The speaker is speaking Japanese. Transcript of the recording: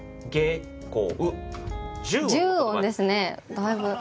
だいぶ。